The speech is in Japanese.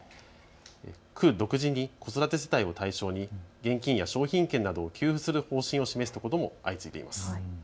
区独自に子育て世帯を対象に現金や商品券などを給付する方針を示すところも相次いでいます。